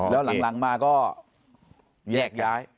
แล้วหลังมาก็แยกย้าย